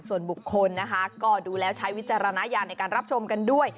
ส่วนบุคคลนะคะก็ดูแล้วใช้วิจารณญาณในการรับชมกันด้วย